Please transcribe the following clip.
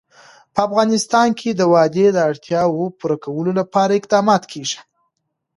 په افغانستان کې د وادي د اړتیاوو پوره کولو لپاره اقدامات کېږي.